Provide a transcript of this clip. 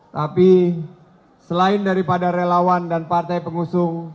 tapi selain daripada relawan dan partai pengusung